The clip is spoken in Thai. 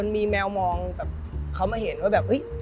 มีแมวมองเขามาเห็นว่า